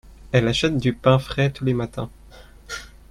elle achète du pain frais tous les matins.